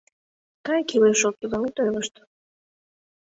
Кай, кӱлеш-оккӱлым ит ойлышт.